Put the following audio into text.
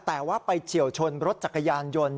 แต่ว่าไปเฉียวชนรถจักรยานยนต์